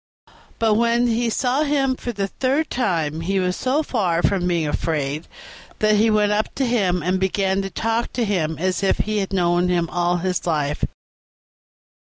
But when he saw him for the third time he was so far from being afraid that he went up to him and began to talk to him as if he had known him all his life.